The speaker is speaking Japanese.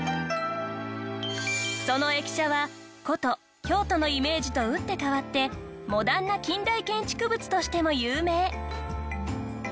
その駅舎は古都京都のイメージと打って変わってモダンな近代建築物としても有名。